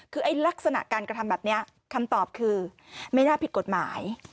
คือไอ้ลักษณะการกระทำแบบนี้คำตอบคือไม่น่าผิดกฎหมาย